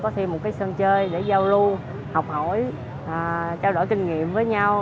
có thêm một cái sân chơi để giao lưu học hỏi trao đổi kinh nghiệm với nhau